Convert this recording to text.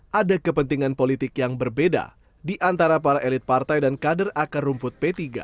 ada kepentingan politik yang berbeda di antara para elit partai dan kader akar rumput p tiga